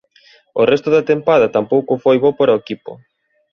O resto da tempada tampouco foi bo para o equipo.